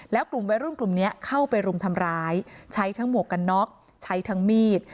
แล้วกลุ่มวัยรุ่นกลุ่มนี้เข้าไปรุมทำร้ายใช้ทั้งหมวกกันน็อกใช้ทั้งมีด